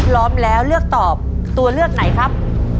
พร้อมแล้วเลือกตอบตัวเลือกไหนครับ